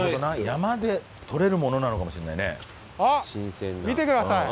山でとれるものなのかもしれないね。